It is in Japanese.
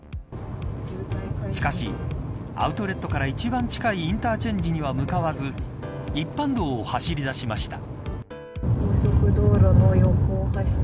しかし、アウトレットから一番近いインターチェンジには向かわず一般道を走り出しました。